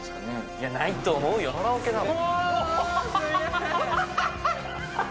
いやないと思うよカラオケなの？